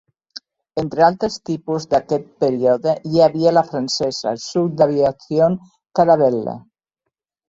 Entre altres tipus d'aquest període hi havia la francesa Sud Aviation Caravelle.